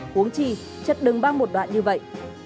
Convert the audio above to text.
cuốn chi chật đường băng một đoạn như vậy